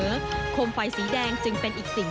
โคมไฟสีแดงจึงเป็นอีกสิ่ง